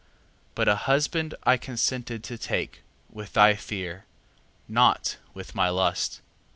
3:18. But a husband I consented to take, with thy fear, not with my lust.